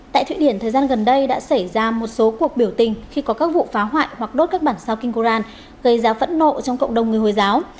tại thụy điển thời gian gần đây đã xảy ra một số cuộc biểu tình khi có các vụ phá hoại hoặc đốt các bản sao kinh coran gây ra phẫn nộ trong cộng đồng người hồi giáo